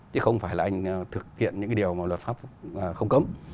chứ không phải là anh thực hiện những cái điều mà luật pháp không cấm